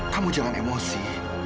kamu jangan emosi